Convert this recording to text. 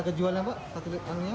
satu orang dua liter